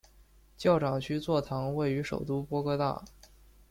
教长区座堂位于首都波哥大。